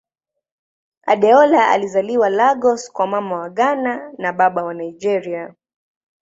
Adeola alizaliwa Lagos kwa Mama wa Ghana na Baba wa Nigeria.